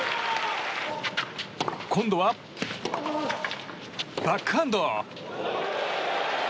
今度はバックハンド！